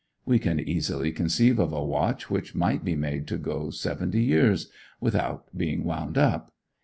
We can easily conceive of a watch which might be made to go seventy years, without being wound up.